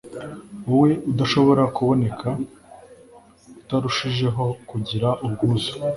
wowe udashobora kuboneka utarushijeho kugira ubwuzu